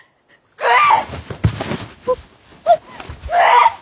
食え！